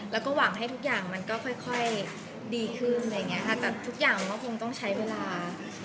แล้วก็หวังให้ทุกอย่างมันก็ค่อยดีขึ้นแต่ทุกอย่างมันคงต้องใช้เวลา